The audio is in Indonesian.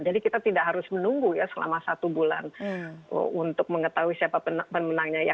jadi kita tidak harus menunggu ya selama satu bulan untuk mengetahui siapa pemenangnya ya